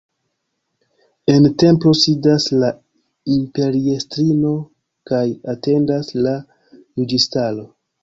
En templo sidas la imperiestrino kaj atendas la juĝistaro.